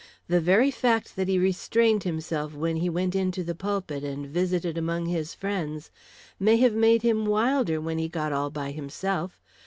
The very fact that he restrained himself when he went into the pulpit and visited among his friends, may have made him wilder when he got all by himself.